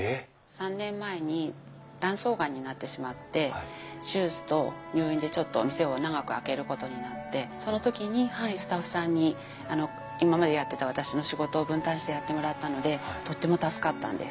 ３年前に卵巣がんになってしまって手術と入院でちょっと店を長く空けることになってその時にスタッフさんに今までやってた私の仕事を分担してやってもらったのでとっても助かったんです。